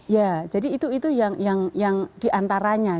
ya jadi itu yang diantaranya